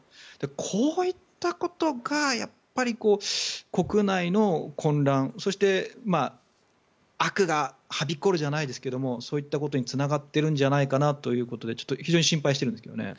こういったことが国内の混乱そして悪がはびこるじゃないですけどそういったことにつながってるんじゃないかなということでちょっと非常に心配しているんですけどね。